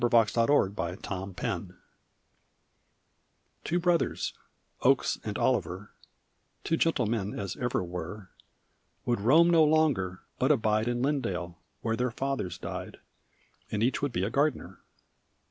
11161 TWO GARDENS IN LINNDALE Two brothers, Oakes and Oliver, Two gentle men as ever were, Would roam no longer, but abide In Linndale, where their fathers died, And each would be a gardener.